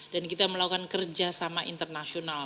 dan kita melakukan kerjasama internasional